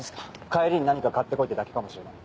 帰りに何か買って来いってだけかもしれない。